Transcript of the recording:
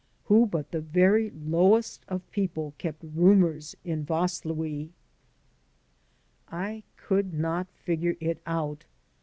Who but the very lowest of people kept roomers in Vaslui? I could not figure it out.